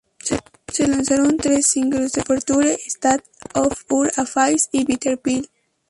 Se lanzaron tres singles: "Departure", "State of our affairs" y "Bitter Pill".